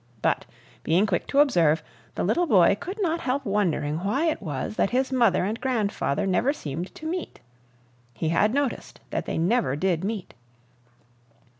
But, being quick to observe, the little boy could not help wondering why it was that his mother and grandfather never seemed to meet. He had noticed that they never did meet.